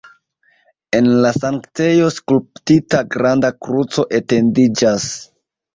En la sanktejo skulptita granda kruco etendiĝas.